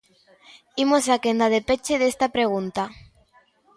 Imos á quenda de peche desta pregunta.